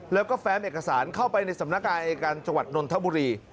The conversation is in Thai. แล้วก็แฟ้มเอกสารเข้าไปในสำนักงานอายการจังหวัดนนทบุรี